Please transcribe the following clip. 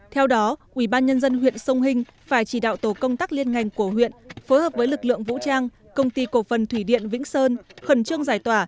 theo đó ủy ban nhân dân huyện sông hình phải chỉ đạo tổ công tác liên ngành của huyện phối hợp với lực lượng vũ trang công ty cổ phần thủy điện vĩnh sơn khẩn trương giải tỏa